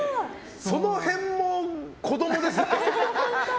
その辺も子供ですね。